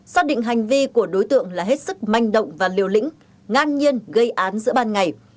xác định hành vi của đối tượng là hết sức manh động và liều lĩnh ngang nhiên gây án giữa ban ngày